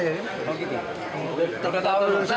ini kan indonesia mau eksekusi saya